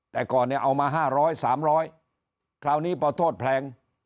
แต่ก่อนเนี่ยเอามา๕๐๐๓๐๐คราวนี้พอโทษแพง